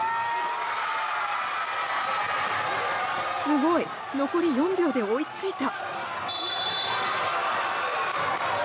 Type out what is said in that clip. すごい！残り４秒で追い付いた！